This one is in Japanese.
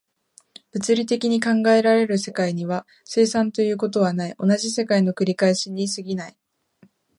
物理的に考えられる世界には、生産ということはない、同じ世界の繰り返しに過ぎない。